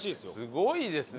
すごいですね。